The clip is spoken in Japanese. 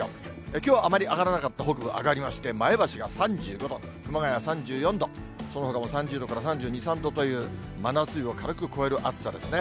きょうはあまり上がらなかった北部上がりまして、前橋が３５度、熊谷３４度、そのほかも３０度から３２、３度という、真夏日を軽く超える暑さですね。